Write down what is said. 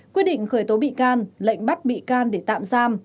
quyết định khởi tố bị can lệnh bắt bị can để tạm giam